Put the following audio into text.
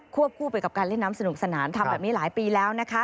คู่ไปกับการเล่นน้ำสนุกสนานทำแบบนี้หลายปีแล้วนะคะ